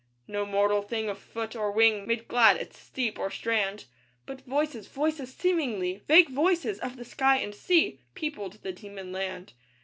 No mortal thing of foot or wing Made glad its steep or strand; But voices, voices seemingly Vague voices of the sky and sea Peopled the demon land.